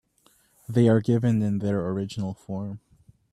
They are given in their original form.